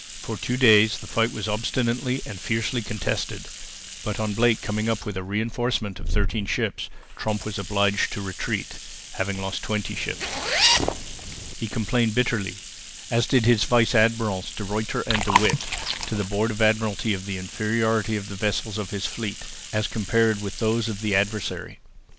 For two days the fight was obstinately and fiercely contested, but on Blake coming up with a reinforcement of thirteen fresh ships, Tromp was obliged to retreat, having lost twenty ships. He complained bitterly, as did his vice admirals De Ruyter and De With, to the Board of Admiralty of the inferiority of the vessels of his fleet, as compared with those of the adversary.